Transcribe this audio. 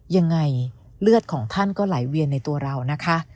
ยังไงเลือดของท่านก็ไหลเวียนในตัวเรานะคะ